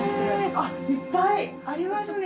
あっいっぱいありますね。